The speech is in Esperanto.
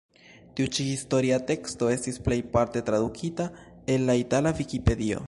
Tiu ĉi historia teksto estis plejparte tradukita el la itala vikipedio.